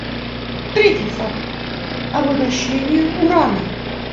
Третий факт — обогащение урана.